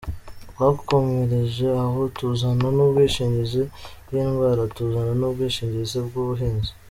Twakomereje aho tuzana n’ubwishingizi bw’indwara, tuzana n’ubwishingizi bw’ ubuhinzi.